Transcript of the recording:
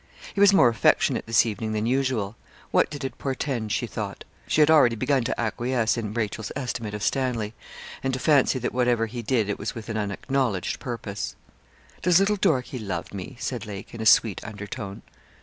He was more affectionate this evening than usual. What did it portend? she thought. She had already begun to acquiesce in Rachel's estimate of Stanley, and to fancy that whatever he did it was with an unacknowledged purpose. 'Does little Dorkie love me?' said Lake, in a sweet undertone.